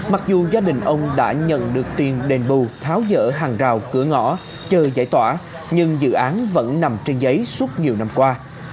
mặc dù gia đình ông đã nhận được tiền đền bù tháo dỡ hàng rào cửa ngõ chờ giải tỏa nhưng dự án vẫn nằm trên giấy suốt nhiều năm qua